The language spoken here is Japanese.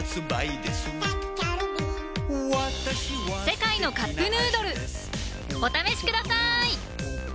「世界のカップヌードル」お試しください！